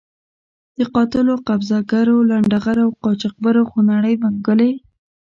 د قاتلو، قبضه ګرو، لنډه غرو او قاچاق برو خونړۍ منګولې.